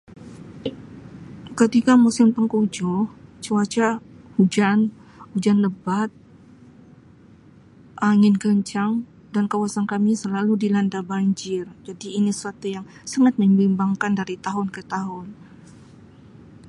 Ketika musim tengkujuh cuaca hujan hujan lebat angin kencang dan kawasan kami selalu dilanda bajir ini suatu yang sangat membimbangkan dari tahun ke tahun.